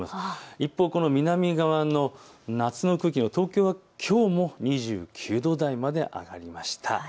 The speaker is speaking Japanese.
一方、この南側の夏の空気、東京はきょうも２９度台まで上がりました。